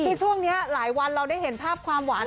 คือช่วงนี้หลายวันเราได้เห็นภาพความหวาน